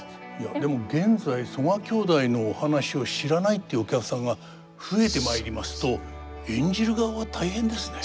でも現在曽我兄弟のお話を知らないっていうお客さんが増えてまいりますと演じる側は大変ですね。